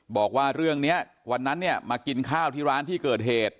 บอกว่าเรื่องนี้วันนั้นเนี่ยมากินข้าวที่ร้านที่เกิดเหตุ